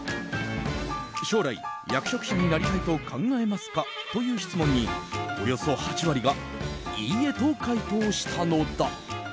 将来、役職者になりたいと考えますか？という質問におよそ８割がいいえと回答したのだ。